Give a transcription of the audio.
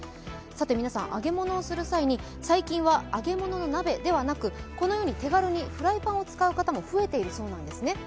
皆さん、揚げ物をする際に、最近は揚げ物の鍋ではなく、手軽にフライパンを使う方も増えているそうなんですね。